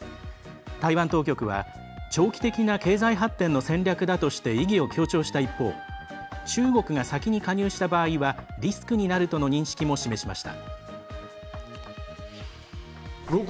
台湾当局は長期的な経済発展の戦略だとして意義を強調した一方中国が先に加入した場合はリスクになるとの認識も示しました。